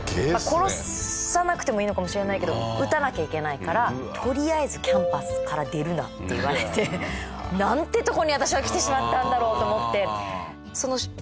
殺さなくてもいいのかもしれないけど撃たなきゃいけないからとりあえずキャンパスから出るなって言われてなんてとこに私は来てしまったんだろうと思って。